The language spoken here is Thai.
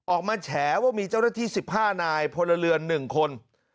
แฉว่ามีเจ้าหน้าที่๑๕นายพลเรือน๑คน